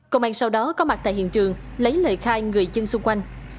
công an sau đó có mặt tại hiện trường lấy lời khai người dân xung quanh